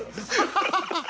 ハハハハ！